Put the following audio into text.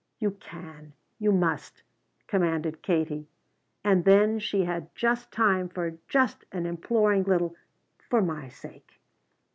"You can. You must!" commanded Katie. And then she had just time for just an imploring little: "For my sake."